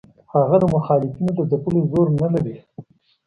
هغه د مخالفینو د ځپلو زور نه لري.